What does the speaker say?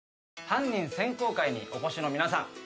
犯人選考会にお越しの皆さん。